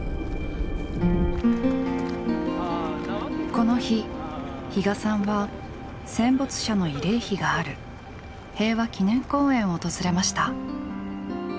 この日比嘉さんは戦没者の慰霊碑がある平和祈念公園を訪れました。